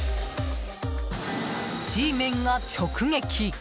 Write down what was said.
Ｇメンが直撃。